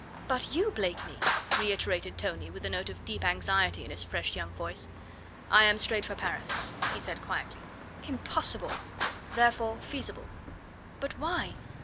"But you, Blakeney?" reiterated Tony with a note of deep anxiety in his fresh young voice. "I am straight for Paris," he said quietly. "Impossible!" "Therefore feasible." "But why?